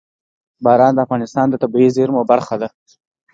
باران د افغانستان د طبیعي زیرمو برخه ده.